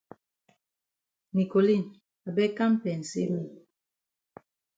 Nicoline I beg kam pensay me.